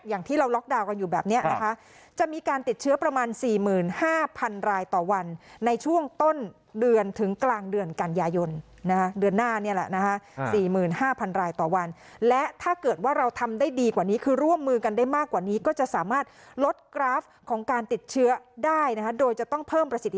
อย่างที่เราล็อกดาวน์กันอยู่แบบนี้นะคะจะมีการติดเชื้อประมาณ๔๕๐๐๐รายต่อวันในช่วงต้นเดือนถึงกลางเดือนกันยายนนะคะเดือนหน้านี่แหละนะคะ๔๕๐๐รายต่อวันและถ้าเกิดว่าเราทำได้ดีกว่านี้คือร่วมมือกันได้มากกว่านี้ก็จะสามารถลดกราฟของการติดเชื้อได้นะคะโดยจะต้องเพิ่มประสิทธิ